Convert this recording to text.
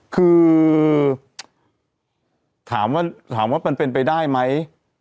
คือถามว่ามันเป็นไปได้ไหม